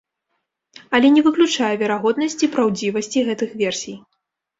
Але не выключае верагоднасці праўдзівасці гэтых версій.